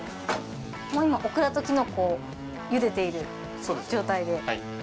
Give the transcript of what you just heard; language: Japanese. もう今オクラとキノコをゆでている状態で。